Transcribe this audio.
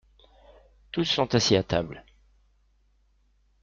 Tous sont assis à table.